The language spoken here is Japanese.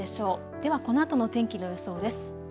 ではこのあとの天気の予想です。